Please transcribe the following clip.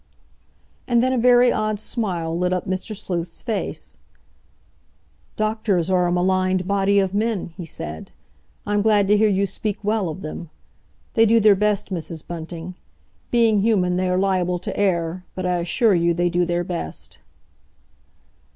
And then a very odd smile lit up Mr. Sleuth's face. "Doctors are a maligned body of men," he said. "I'm glad to hear you speak well of them. They do their best, Mrs. Bunting. Being human they are liable to err, but I assure you they do their best."